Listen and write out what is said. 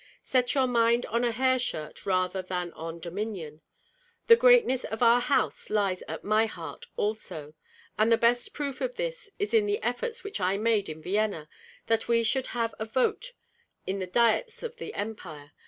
Set your mind on a hair shirt rather than on dominion. The greatness of our house lies at my heart also, and the best proof of this is in the efforts which I made in Vienna that we should have a vote in the diets of the Empire.